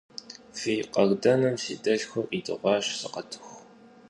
Фи къардэным си дэлъхур къидыгъуащ, сыкъэтыху.